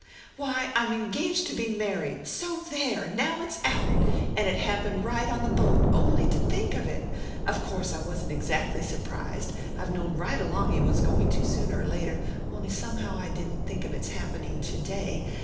"Why, I'm engaged to be married so there! Now it's out! And it happened right on the boat; only to think of it! Of course I wasn't exactly surprised I've known right along he was going to sooner or later on'y somehow I didn't think of its happening to day.